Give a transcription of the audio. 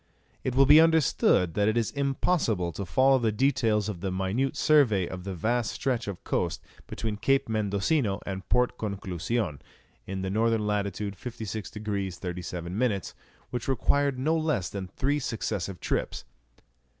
It will be understood that it is impossible to follow the details of the minute survey of the vast stretch of coast between Cape Mendocino and Port Conclusion, in N. lat. 56 degrees 37 minutes, which required no less than three successive trips.